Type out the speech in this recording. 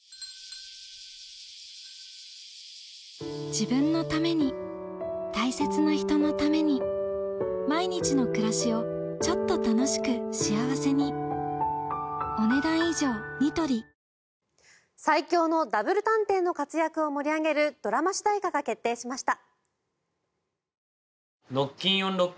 自分のために大切な人のために毎日の暮らしをちょっと楽しく幸せに最強のダブル探偵の活躍を盛り上げるドラマ主題歌が決定しました。